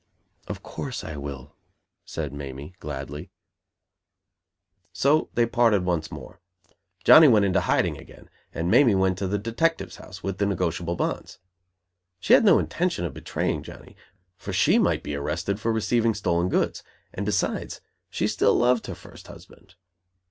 "Of course, I will," said Mamie, gladly. So they parted once more. Johnny went into hiding again, and Mamie went to the detective's house, with the negotiable bonds. She had no intention of betraying Johnny; for she might be arrested for receiving stolen goods; and, besides, she still loved her first husband.